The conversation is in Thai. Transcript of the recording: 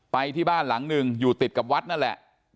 ไปที่บ้านหลังหนึ่งอยู่ติดกับวัดนั่นแหละ